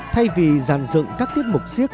thay vì giàn dựng các tiết mục siếc